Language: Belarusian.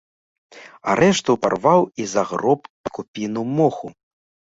А рэшту парваў і загроб пад купіну моху.